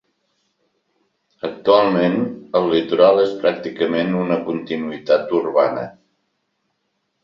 Actualment, el litoral és pràcticament una continuïtat urbana.